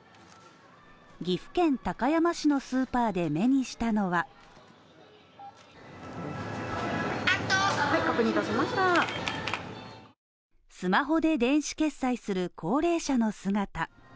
岐阜県高山市のスーパーで目にしたのはスマホで電子決済する高齢者の姿。